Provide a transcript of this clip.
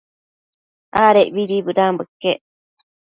Adecbidi bëdanbo iquec